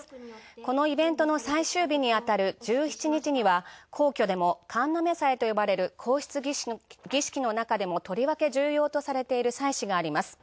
このイベントの最終日にあたる１７日には皇居でもかんのめさいと呼ばれるとりわけ重要とされている祭祀があります。